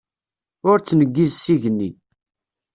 Ur ttneggiz s igenni.